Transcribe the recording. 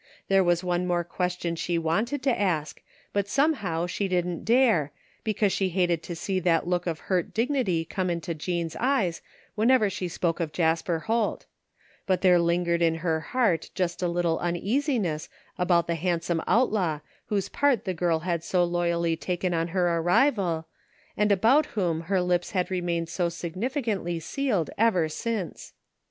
There was one more question she wanted to ask, but somehow she didn't dare, because she hated to see that look of hurt dignity come into Jean's eyes whenever she spoke of Jasper Holt; but there lingered in her heart just a little uneasiness about the handsome outlaw whose part the girl had so loyally taken on her arrival, and about whom her lips had remained so significantly sealed ever since.